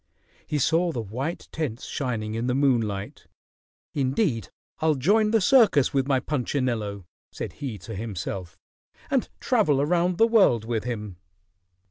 He saw the white tents shining in the moonlight. "Indeed, I'll join the circus with my Punchinello," said he to himself, "and travel around the world with him."